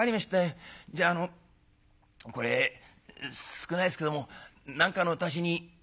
じゃああのこれ少ないですけども何かの足しに」。